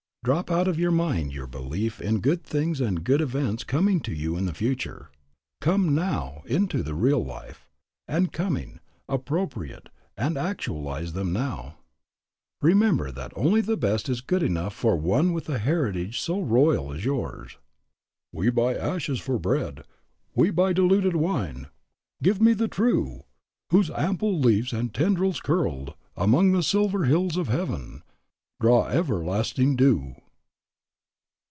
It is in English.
Drop out of mind your belief in good things and good events coming to you in the future. Come now into the real life, and coming, appropriate and actualize them now. Remember that only the best is good enough for one with a heritage so royal as yours. "We buy ashes for bread; We buy diluted wine; Give me the true, Whose ample leaves and tendrils curled Among the silver hills of heaven, Draw everlasting dew."